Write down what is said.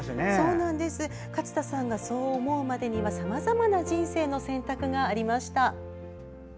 勝田さんがそう思うまでにはさまざまな「人生の選択」がありました。